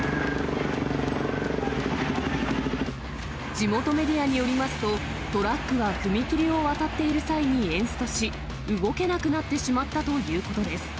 地元メディアによりますと、トラックは踏切を渡っている際にエンストし、動けなくなってしまったということです。